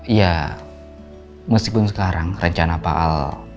ya meskipun sekarang rencana pak al